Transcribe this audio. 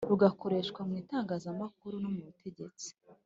rugakoreshwa mu itangazamakuru no mu butegetsi